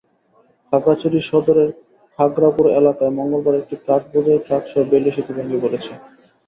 খাগড়াছড়ি সদরের খাগড়াপুর এলাকায় মঙ্গলবার একটি কাঠবোঝাই ট্রাকসহ বেইলি সেতু ভেঙে পড়েছে।